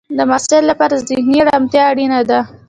د محصل لپاره ذهنی ارامتیا اړینه ده.